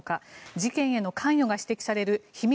事件への関与が指摘される秘密